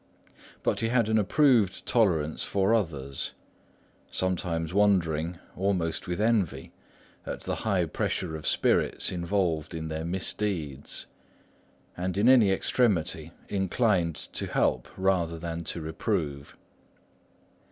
But he had an approved tolerance for others; sometimes wondering, almost with envy, at the high pressure of spirits involved in their misdeeds; and in any extremity inclined to help rather than to reprove.